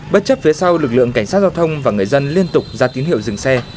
bất chấp phía sau lực lượng cảnh sát giao thông và người dân liên tục ra tín hiệu dừng xe